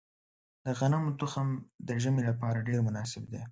د غنمو تخم د ژمي لپاره ډیر مناسب دی.